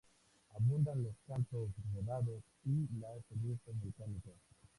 Abundan los cantos rodados, y las cenizas volcánicas.